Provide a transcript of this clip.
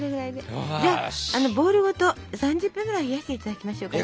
じゃあボウルごと３０分ぐらい冷やしていただきましょうかね。